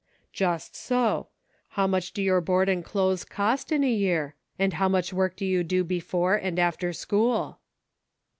" Just so. How much do your board and clothes cost in a year ? and how much work do you do before and after school